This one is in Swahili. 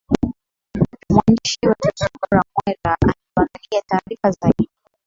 mwandishi wetu zuhra mwera ametuandalia taarifa zaidi